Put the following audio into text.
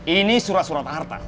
ini surat surat harta